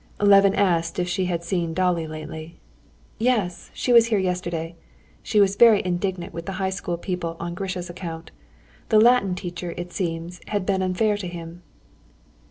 Levin asked if she had seen Dolly lately. "She was here yesterday. She was very indignant with the high school people on Grisha's account. The Latin teacher, it seems, had been unfair to him."